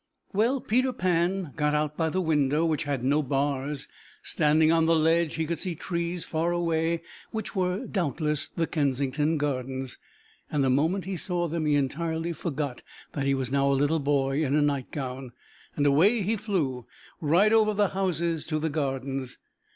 Well, Peter Pan got out by the window, which had no bars. Standing on the ledge he could see trees far away, which were doubtless the Kensington Gardens, and the moment he saw them he entirely forgot that he was now a little boy in a nightgown, and away he flew, right over the houses to the Gardens.